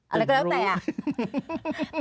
อะไรก็แล้วแต่อ่ะ